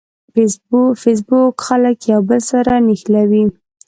فېسبوک خلک یو بل سره نښلوي